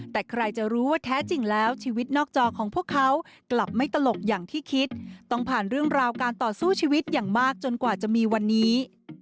แต่ใครจะรู้ว่าแท้จริงแล้วชีวิตนอกจอของพวกเขากลับไม่ตลกอย่างที่คิดต้องผ่านเรื่องราวการต่อสู้ชีวิตอย่างมากจนกว่าจะมีวันนี้